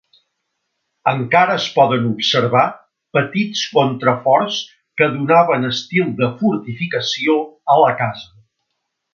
Encara es poden observar petits contraforts que donaven estil de fortificació a la casa.